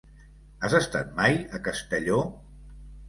Has estat mai a Castelló?